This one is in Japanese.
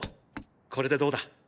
これでどうだ？